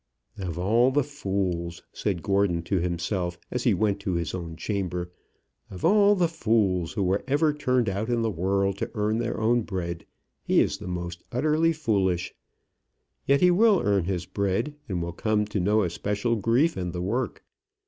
"Of all the fools," said Gordon to himself, as he went to his own chamber, "of all the fools who were ever turned out in the world to earn their own bread, he is the most utterly foolish. Yet he will earn his bread, and will come to no especial grief in the work.